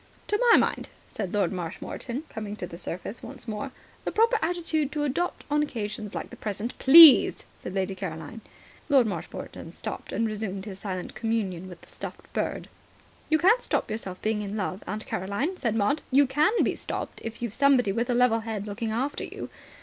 "To my mind," said Lord Marshmoreton, coming to the surface once more, "the proper attitude to adopt on occasions like the present " "Please," said Lady Caroline. Lord Marshmoreton stopped, and resumed his silent communion with the stuffed bird. "You can't stop yourself being in love, Aunt Caroline," said Maud. "You can be stopped if you've somebody with a level head looking after you."